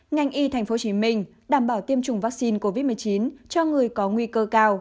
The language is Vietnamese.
ngành y tp hcm đảm bảo tiêm chủng vaccine covid một mươi chín cho người có nguy cơ cao